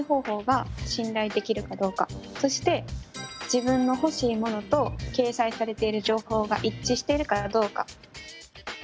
そして自分の欲しいものと掲載されている情報が一致しているかどうか。